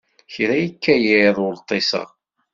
Kra ikka yiḍ ur ṭṭiseɣ.